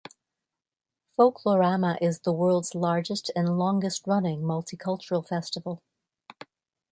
Folklorama is the world's largest and longest-running multicultural festival.